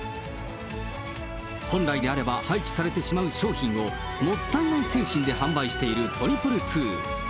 本来であれば、廃棄されてしまう商品をもったいない精神で販売している２２２。